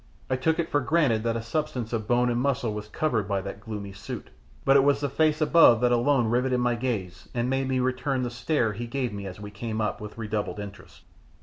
I took it for granted that a substance of bone and muscle was covered by that gloomy suit, but it was the face above that alone riveted my gaze and made me return the stare he gave me as we came up with redoubled interest.